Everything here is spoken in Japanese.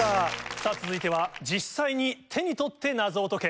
さぁ続いては実際に手に取って謎を解け。